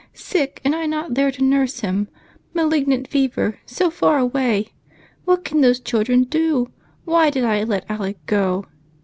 Sick, and I not there to nurse him! Malignant fever, so far away. What can those children do? Why did I let Alec go?"